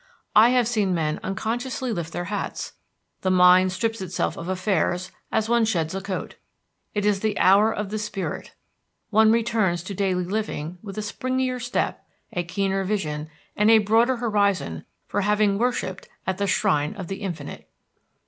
I have seen men unconsciously lift their hats. The mind strips itself of affairs as one sheds a coat. It is the hour of the spirit. One returns to daily living with a springier step, a keener vision, and a broader horizon for having worshipped at the shrine of the Infinite.